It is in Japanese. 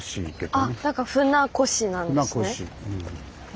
あなんか船越なんですね。